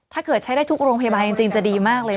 ถ้าเกิดใช้ได้ทุกโรงพยาบาลจริงจะดีมากเลยนะ